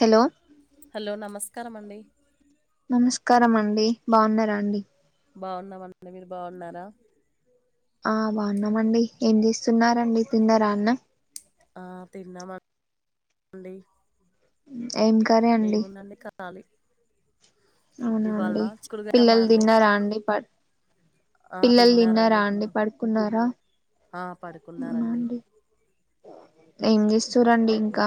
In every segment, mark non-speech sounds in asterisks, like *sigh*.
Hello కరమండి నమస్కారం అండి బావున్నారా అండి బావున్నామన్న *inaudible* మీరు బావున్నారా ఆ బాగున్నామండి ఏం చేస్తున్నారండి తిన్నారా అన్నం ఆ తిన్నామండి ఉ ఏం కర్రీ అండి కాలి అవునా అండి పిల్లలు టమాటండి. తిన్నారా అండి పడు ఆ! పిల్లలు తిన్నారా తిన్నారండి అండి పిల్లలు. పడుకున్నారా ఆ! అవునా పడుకున్నారండి. అండి ఏం చేస్తూరండి ఇంకా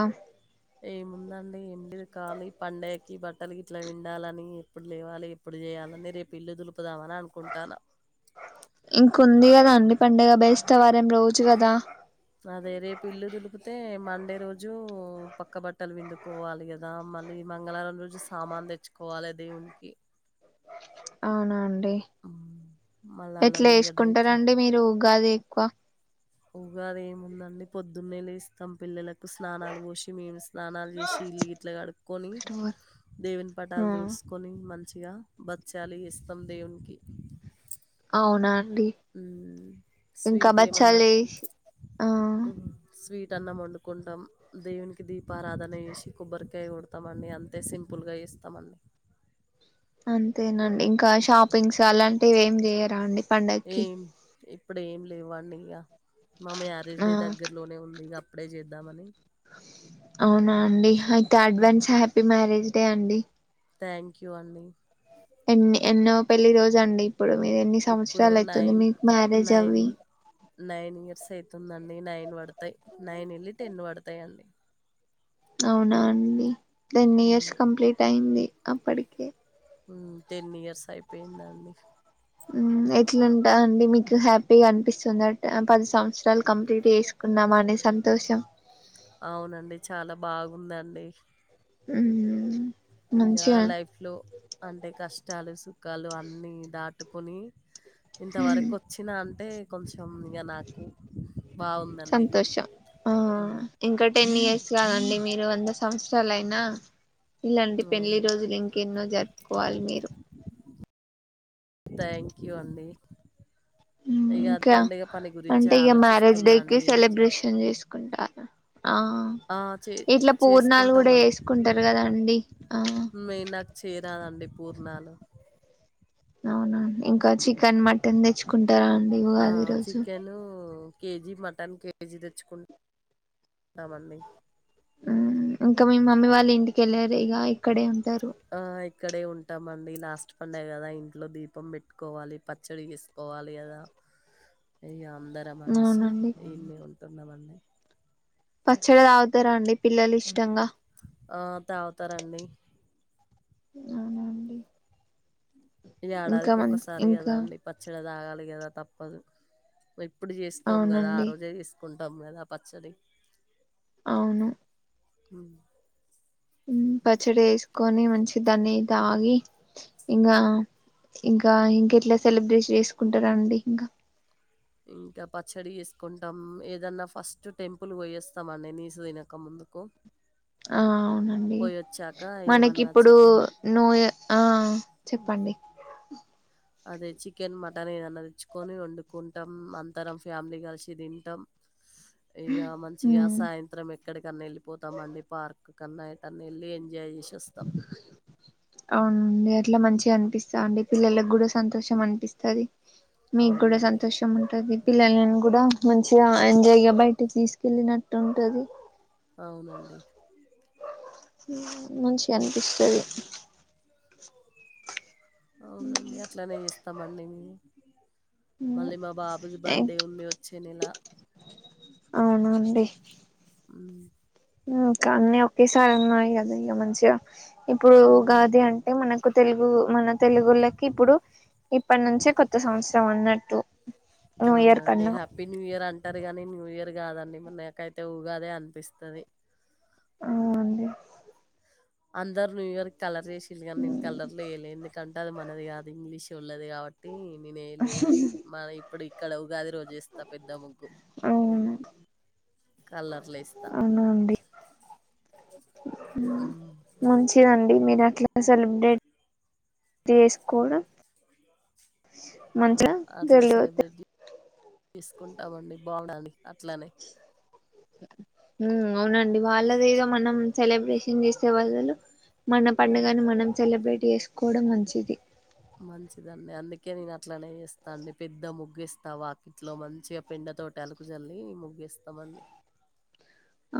ఏముందండి ఏం లేదు కాలి పండగకి బట్టలు గిట్లా విండాలని ఎప్పుడు లేవాలి ఎప్పుడు చేయాలని రేపు ఇల్లు దులుపు దామని అనుకుంటాన *unintelligible* అండి పండుగ బేస్త వారం రోజు కదా అదే రేపు ఇల్లు దులిపితే మండే రోజు పక్క బట్టలు విందుకోవాలి కదా మళ్ళీ మంగళారం రోజు సామాన్ తెచ్చుకోవాలి దేవునికి అవున అం అంటే హ్మ్. మళ్ళా అల్లం ఎట్లా ఎల్లిగడ్డ ఇట్లా ఏసుకుంటారండి మీరు గాదే ఎక్కువ ఉగాది ఏముందండి పొద్దు పొద్దున్నే లేస్తం పిల్లలకు స్నానాలు పోసి మేము స్నానాలు చేసి ఇల్లు గిట్లా కడుక్కొని దేవుని ఆ పటాలు దుడుసుకొని మంచి మంచిగా బచ్చాలి ఇస్తాం దేవునికి అవునా అండి ఊ ఇంకా స్వీట్ ఏమన్న బచ్చాలు చేసి ఆ స్వీట్ వొట్టి అన్నం వండుకుంటాం దేవునికి దీపారాధన ఏసి కొబ్బరికాయ కొడతామండి అంతే సింపుల్ గా ఇస్తామండి అంతేనండి ఇంకా షాపింగ్స్ అలాంటివి ఏమి చేయ్యరా అండి పండగకి ఏం ప్పుడేం లేవా అండి ఇంగా మా మ్యారేజ్ ఆ డే దగ్గర్లోనే ఉంది ఇంగ అప్పుడే చేద్దామని అవునా అండి okay advance happy marriage day అండి థ్యాంక్ యూ అండి ఎన్ని ఎన్నో పెళ్లి రోజు అండి ఇప్పుడు మీరు ఎన్ని ఇప్పుడు సంవత్సరాలు అయితుంది నైన్త్ మీకు మ్యారేజ్ నైన్ అవ్వి నైన్ ఇయర్స్ అయితుందండి నైన్ పడతాయి నైన్ ఎళ్ళి టెన్ పడతాయి అండి అవునా అండి టెన్ ఇయర్స్ ఉమ్ కంప్లీట్ అయింది అప్పడికే మ్మ్ టెన్ ఇయర్స్ అయిపోయిందండి మ్మ్ ఎట్లాంటా అండి మీకు హ్యాపీగా అనిపిస్తుంద ట పది సంవత్సరాలు కంప్లీట్ చేసుకున్నాం అనే సంతోషం అవునండి చాలా బాగుందండి ఉ ఊ ఇంక లైఫ్ లో అంటే కష్టాలు సుఖాలు అన్నీ దాటుకొని ఇంతవరకు వచ్చిన అం టె కొమ్ బాగుందండి సంతోషం ఆ ఇంకా టెన్ ఇయర్స్ కాదండి మీరు ఎంత సంవత్సరాలు అయినా ఇలాంటి పెళ్లి రోజులు ఇంకెన్నో జరుపుకోవాలి మీరు థ్యాంక్ యూ అండి ఇక అది ఇంకా పండుగ పని గురించి అంటే ఆలోచిస్తున్నా అండి ఏం చే కుంటార ఆ చే ఇట్లా పూర్ణాలు కూడా చేసుకుంటామండి. వేసుకుంటారు కదా అండి ఆ పూర్ణలు అవునా ఇంక ఇకా చికెన్ మటన్ తెచ్చుకుంటారా అండి ఆ! ఉగాది రోజు చికెను కేజీ మటన్ కేజీ తెచ్చుకుంటామండి ఇంక మీ మమ్మీ వాళ్ళు ఇంటికెళ్ళారు ఇక ఇక్కడే ఉ తరు ఆ! ఇక్కడే ఉంటామండి లాస్ట్ పండగ కదా ఇంట్లో దీపం పెట్టుకోవాలి పచ్చడి చేసుకోవాలి కదా ఇ అందరం అనేసి అవునండి ఇన్నీ ఉంటున్నామన్నీ పచ్చడి తాగుతారా అండి పిల్లలు ఇష్టంగా ఆ తాగుతారండి అవునండి ఈ ఇంకా ఏడాదికి మంచి ఒక్కసారి కదా ఇంకా అండి మంచిగ తాగాలి కదా తప్పదు ఇప్పుడు చేసుకోము కదా ఆ అవునండి రోజే చే కుంటాం లేదా పచ్చడి అవును హ్మ్. పచ్చడి వేసుకొని మంచి దాన్ని తాగి ఇంకా ఇంకా ఇంకెట్లా సెలబ్రేట్ చేసుకుంటారండి ఇంకా ఇంకా పచ్చడి చేసుకుంటాం ఏదన్నా ఫస్ట్ టెంపుల్ పోయేస్తామండి నీసు తినక ముందుకు ఆ అవునండి పోయొచ్చాక మనకి ఏమన్నా ఇప్పుడు చికెన్ నో ఆ చెప్పండి అదే చికెన్ మటన్ ఏదనా తెచ్చుకొని వండుకుంటాం అందరం ఫ్యామిలీ కలిసి తింటాం ఇక మంచిగా ఉమ్ సాయంత్రం ఎక్కడికన్నా వెళ్ళిపోతామండి పార్క్ కన్నాయ తన్ ఎళ్ళి ఎంజాయ్ చేస్ అవునండి అట్ల మంచి అనిపిస్తాంది పిల్లలకి కూడా సంతోషం అనిపిస్తది మీకు కూడా అవునండి. సంతోషం ఉంటది పిల్లలను కూడా మంచిగా ఎంజాయ్ గ బయటికి తీసుకెళ్ళినట్టు ఉంటది అవునండి ఊ మంచిగ అనిపిస్తది అవునండి అట్లనే చేస్తామన్ మీర్ మళ్ళీ మా బాబుది బర్త్డే ఉంది వచ్చే నెల *inaudible* ఉ కాన్ని ఒకేసారి ఉన్నాయి అదే ఇక మంచిగా ఇప్పుడు హ్మ్. గాది అంటే మనక్ ఒక తెలుగు మన తెలుగొల్లకి ఇప్పుడు ఇప్పటి నుంచే కొత్త సంవత్సరం ఉన్నట్ త అవునండి హ్యాపీ న్యూ ఇయర్ అం ర్ గానీ న్యూ ఇయర్ కాదండి మనకైతే ఊగాదే అనిపిస్తది అవు అండి అందరు ను ఇ చాల చేసిండే కానీ నేను కలర్ లో ఏయలే ఎందుకంటే అది మనది కాదు ఇంగ్లీష్ ఉల్లది కాబట్టి నేనే ఏయ లేదండి మాది ఇప్పుడు ఇక్కడ ఉగాది రోజు ఏస్తా పెద్ద ముగ్గు అవును కలర్లు ఏస్తా మంచిదన్ మీర ఇట్లా సెలబ్రేట్ చేసుకోవడం మంత్ర ధరలు ఐతే తీసుకుంటామండి బాఉండాని అట్లానే హు ఉ అవునండి వాళ్ళది ఏదో మనం సెలబ్రేషన్ చేసే వాళ్ళల్ మన హ్మ్. పండుగని మనం సెలబ్రేట్ ఏసుకోవడం మంచిది మంచిదండి అందుకే నేను అట్లనే ఇస్తా అండి పెద్ద ముగ్గిేస్తావు వాకిట్లో మంచిగా పెండ తోటి అలుకుజల్లి ముగ్గేస్తామనీ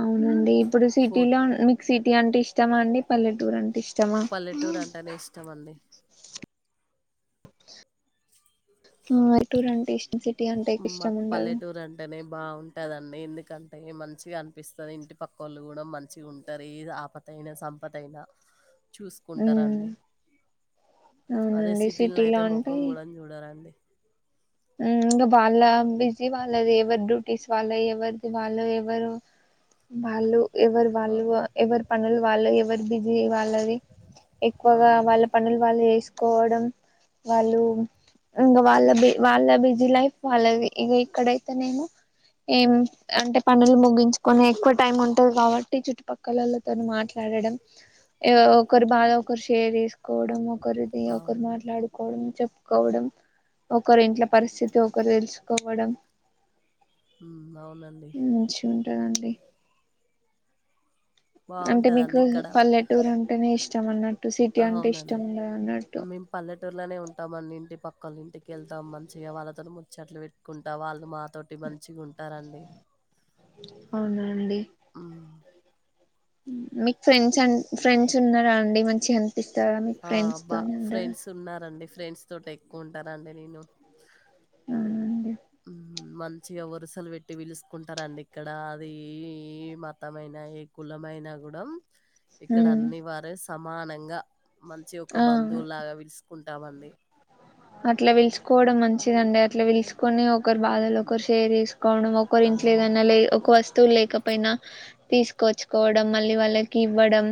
అవునండి ఇప్పుడు సిటీలో మీకు సిటీ అంటే ఇష్టం ఇష్టం అం పల్లెటూరు అంట ఇష్ట పల్లెటూరు అంటేనే ఇష్టం అండి టూర్ అంటే ఇం టీ అంటే ఇష్టం ఉండదు బాగుంటుందండి ఎందుకంటే మంచిగా అనిపిస్తుంది ఇంటి పక్క వాళ్ళు కూడా మంచిగా ఉంటారు ఆపదయినా సంపద అయినా ఉమ్ చూసుకుంటారంండి అదే అవునండి సిటీ లో సిటీలో అయితే అంటే మొఖం కూడా చూడరాాండి ఇంకా వాళ్ళ బిజీ వాళ్ళది ఎవరి డ్యూటీస్ వాళ్ళ ఎవరిది వాళ్ళు ఎవరు వాళ్ళు ఎవరు వాళ్ళ ఆ ఎవరు పనల్ వాళ్ళ ఎవరి బీసీ ఎక్కువగా వాళ్ళ అవునండి పనులు వాళ్ళు చేసుకు కోవడం వాళ్ళు ఇంకా వాళ్ళ వాళ్ళ బిజీ లైఫ్ వాళ్ళ ఇక ఇక్కడైతేనేమో ఏం అంటే పనులు ముగించుకొని ఎక్కువ టైం ఉంటది కాబట్టి చుట్టుపక్కలలోతో మాట్లాడడం ఒకరు బాధ ఒకరు షేర్ చేసుకోవడం ఒకరిది ఒకరు అవునండి మాట్లాడుకోవడం చె కోవడం ఓ ఒకరి ఇంట్ల పరిస్థితి ఒకరు తెలుసుకోవడం *unintelligible* మంచి ఉంటదండి అంటే మీకు బాగుంటదండి ఇక్కడ పల్లెటూరు అంట అనే ఇష్టం అన్నట్టు సిటీ అంటే ఇష్టం అవునండి ఉండదు అన్నట్టు మేము పల్లెటూరులోనే ఉంటామన్ని ఇంటి పక్క ఒకళ్ళ ఇంటికిెళ్తాం మంచిగా వాళ్ళతో ముచ్చట్లు పెట్టుకుంటా వాళ్ళు మా తోటి మంచిగా ఉంటారండి అవునండి ఉమ్ మీకు ఫ్రెండ్స్ అ ఫ్రెండ్స్ ఉన్నారా అండి మంచిగా ఎంత పిస్తారా మీ ఆ! ఫ్రెండ్స్ బా తోని ఉం *unintelligible* ఫ్రెండ్స్ ఉన్నారండి. ఫ్రెండ్స్ తోట ఎక్కువ ఉంటార అండి నేను అవునా అండి మంచిగా వరుసలు పెట్టి పిలుసుకుంటారంండి ఇక్కడ అది ఏ ఏ మతమైైన ఏ కులమైనా కూడా ఇక్కడ అన్ని వారే సమానంగా మంచి ఒక ఆ బంధువు లాగా విలుసుకుంట ద్దాబంది అట్లా వెలుసుుకోవడం మంచిదండి అట్లా విలుసుకొని ఒకరు బాధలు ఒకరు షేర్ చెస్ కావున ఒక్కరి ఆ! ఇంట్లో ఏదన్నా లే ఒక వస్త లు లేకపోయినా తీసుకొచ్చుకోవడం మళ్ళీ వాళ్ళకి ఇవ్వడం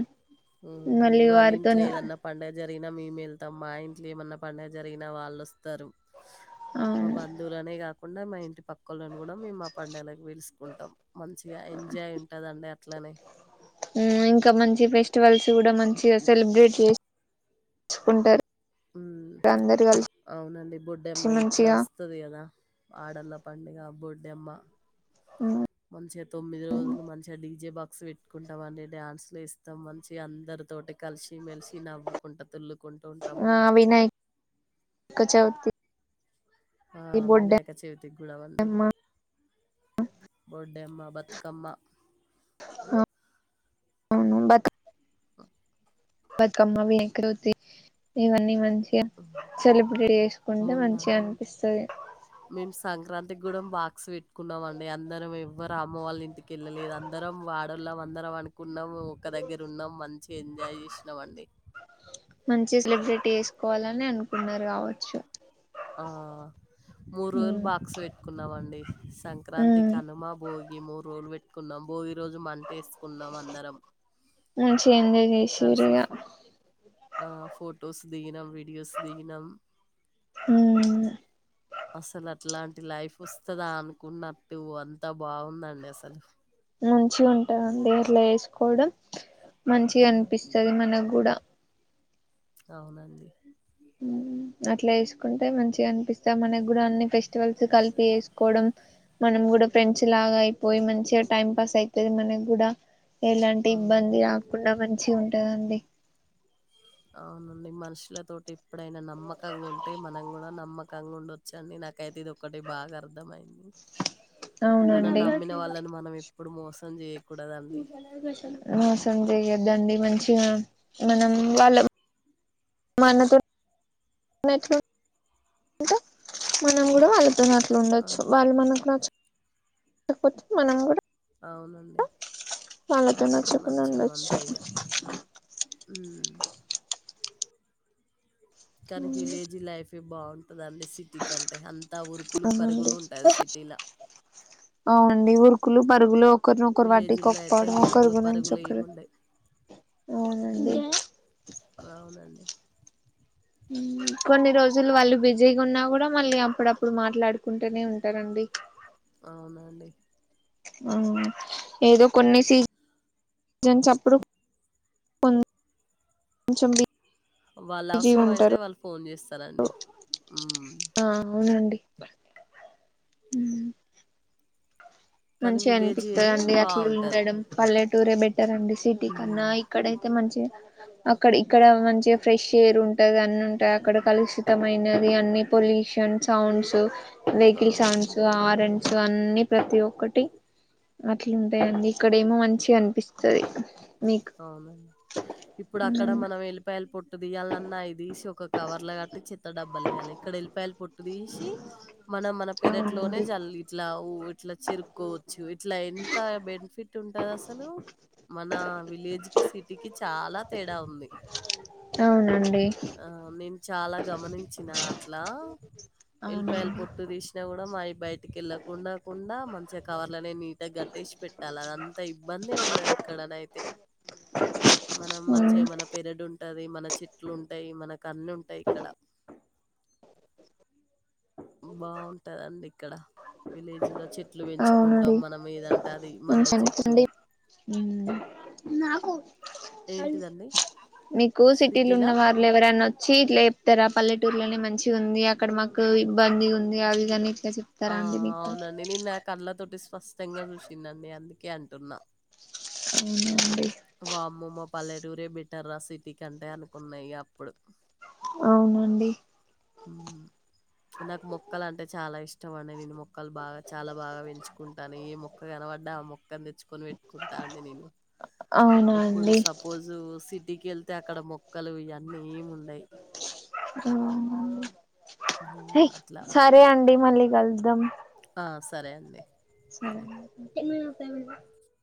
మళ్ళీ వాళ్ళ వారితో ఇంట్లో ఏదన్నా పండుగ జరిగి న మేము వెళ్తాం మా ఇంట్లో ఏమన్నా పండగ జరిగినా వాళ్ళోస్తరు మా అవును బంధువులనే కా కకుండా మా ఇంటి పక్కొలు కూడా మేము మా పండగలకి పిలుస్ ఉంటాం మంచిగా ఎంజాయ్ ఉంటదండి ఇట్లానే మ్మ్ ఇంకా మంచి ఫెస్టివల్స్ కూడా మంచిగా సెలబ్రేట్ చేస్ కుంటారు మ్మ్ అవునండి బొడ్డమ్మ ఇట్లా మంచిగా వస్తది కదా ఆడళ్ళ పండుగ బొడ్డెమ్మ మ్మ్ మంచిగా తొమ్మిది రోజులు మంచిగా డీజే బాక్స్ పెట్టుకుంటాం అండి డ్యాన్స్ లేస్తాం మంచిగా అందరి తోటి కలిసి మెలిసి నవ్వుకుంటా *unintelligible* కుంటూ ఉంటామండి కచౌతి ఆ వినాయక చవితి గుణవంది బ డే అమ్మ బతుకమ్మ *inaudible* బతుకమ్మ *inaudible* ఇవన్ని మంచ్ సెలబ్రేట్ చేసుకుంటే మొన్న మంచిగా అనిపిస్తది సంక్రాంతి కూడా బాక్స్ పెట్టుకున్నామండి అందరం ఎవ్వరు అమ్మ వాళ్ళ ఇంటికి వెళ్ళలేదు అందరం ఆడోళ్ళం అందరం అన కున్నాం ఒక్క దగ్గర ఉన్నాం మంచి ఎంజాయ్ చేసినామండి మంచి సెలబ్రిటీ చేసుకోవాలని అనుకు ఆ మూడు రోజులు ఉమ్ బాక్స్ పెట్టుకున్నావండి సంక్రాంతి ఉమ్ కనుమ భోగి మూడు రోజులు పెట్టి కున్నాం భోగి రోజు మంట వేసుకున్నాం అందరం చే కలిసి సేరిగా ఫో ఆ ఫొటోస్ దిగినం వీడియోస్ దిగినాం హ్మ్ అసలు అట్లాంటి లైఫ్ వస్తుదా అన్నట్టు అంతా బాగుందండి అసలు మంచి ఉంటదండి అట్లా వేసుకోవడం మంచి హ్మ్. అనిపిస్తది మనకు కూడా అవునండి అట్లా వేసుకుంటే మంచిగా అనిపిస్తుంది స మనకి కూడా అన్ని ఫెస్టివల్స్ కలిపి వేసుకోవడం మనం కూడా ఫ్రెండ్స్ లాగా అయిపోయి మంచిగా టైం పాస్ అయితది మనకి కూడా ఎలాంటి ఇబ్బంది అవునండి. రాకుండా మం మంచి ఉంటదండి అవునండి మనుషులతోటి ఇప్పుడైనా నమ్మకంగా ఉంటే మనం కూడా నమ్మకంగా ఉండొచ్చండి నాకైతే ఇది ఒకటి బాగా అర్థమయింది అవునండి మనం ఎప్పుడు మోసం జేయకూడదండి. మోసం చేయద్దండి మంచిగా మనం వాళ్ళ మనతో ఎట్లా ఉంటే మనం కూడా వాళ్ళ అన్నట్లు ఆ ఉండొచ్చు వాళ్ళు మనకు నచ్చ ఎపటి మనం కూడా అవునండి వాళ్ళతో నచ్చకుండా నచ్చం ఉండొచ్చు అంతే ఇగ ఉమ్ కానీ విలేజ్ లైఫ్ ఫిబాల్ ఉదండి సిటీ కంటే అంతా ఉరుకులు అవునండి పరుగులు ఉంటాది సిటీలా కులు పరుగులు ఒకరినొకరు విలేజీల్లో అయితే వట్టికోకుపోడం ఒకరి ఉరుకులు గురించి పరుగులు ఒకరు ఏముండయి అవునండి అవునండి హ్మ్ కొన్ని రోజులు వాళ్ళు బిజీగా ఉన్నా కూడా మళ్ళీ అప్పుడప్పుడు మాట్లాడుకుంటూనే ఉంటారండి అవునండి హ్మ్ ఏదో కొన్ని సీ నిజం చప్పుడు కొంచెం ది వాళ్ళ అవసరం అయితే వాళ్ళు ఫోన్ చేస్ స్తారండీ హ్మ్ అవునండి హ్మ్ కానీ మంచిగా విలేజే అనిపిస్తదండి అట్లా బాగుంటది ఉండడం పల్లెటూరే బెటర్ అండి సిటీ కన్నా ఉమ్ ఇక్కడయితే మంచిగ అక్కడ ఇక్కడ మంచిగా ఫ్రెష్ ఎయిర్ ఉంటది అన్ని ఉంటాయి అక్కడ కలుషి ష్టమైనది అన్ని పొల్యూషన్స్ సౌండ్స్ వెహకిల్ అవునండి సౌండ్స్ హార్న్ సో అన్ని ప్రతి ఓ ఒకటి అట్లుంటయండి ఇక్కడ ఏమో మంచిగా అనిపిస్తాది అవును ఇప్పుడు అక్కడ మనం ఎల్లిపాయలు పొట్టు దియాలన్నా దీసి ఒక కవర్ లా కట్టి చెత్తడబ్బ పడేయాలి ఇక్కడ ఎల్లిపాయ పొట్టు తీసి మనం మన పెరట్లోనే అవునండి జల్లి ఇట్లా అవు ఇట్లా చెరుకోవచ్చు ఇట్లా ఎంత బెనిఫిట్ ఉంటది అసలు మన *unintelligible* సిటీకి కి చాలా తేడా ఉంది అవునండి ఆ నేను చాలా గమనించిన అట్లా ఎల్పాయల్ అవునండి పొట్టు తీసి కూడా మా బయటికి వెళ్ళకుండా కుండా, మంచిగా కవర్లనే నీట్గా కట్టేసి పెట్టాలి అది అంత ఇబాందేయ్ ఉండదు ఇక్కడనయితే మనం మంచిగా మన పెరడు ఉంటది మన చెట్లు ఉంటయి మన కన్ను ఉంటాయి ఇక్కడ బాగుంటదండి ఇక్కడ విలేజ్ లో చెట్లు పెంచుకుంటాం అవునండి మనం ఏదంటే అది మల్లె చెట్టు *unintelligible* ఏంటిదండి మీకు సిటీలు సిటీలా ఉన్న వాళ్ళ ఎవరనా వచ్చి ఇట్ల తెరాపల్లెటూర్ లోనే మంచి ఉంది అక్కడ మాకు ఇబ్బంది ఉంది అవిధని ఆ అవునండి నేను నా కళ్ళతోటి ఫస్ కష్టంగా చూసిందండి అందుకే అంటున్నా అవునండి వామ్మమ్మ పల్లెటూరే బటర్రా సిటీ కంటే అనుకున్న అప్పుడు అవునండి ఉ నాకు మొక్కలు అంటే చాలా ఇష్టం అండి, నేను మొక్కలు బాగా చాలా బాగా పెంచుకుంటాను, ఏ మొక్క కనపడ్డా ఆ మొక్కని తెచ్చుకొని పెట్టుకుంటా అండి నేను, అవునా ఇప్పుడు అండి సపోజు సి ఇంటికిళ్తే అక్కడ మొక్కలు ఇయాలి ఆ హ్మ్. అట్లా. సరే అండి మళ్ళీ గల్దం ఆ సరే అండి సరే అండి